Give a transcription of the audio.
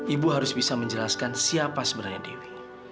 ibu harus bisa menjelaskan siapa sebenarnya dewi